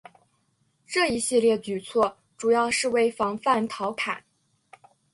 这一系列举措主要是为防范陶侃。